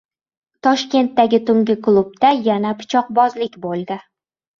Toshkentdagi tungi klubda yana pichoqbozlik bo‘ldi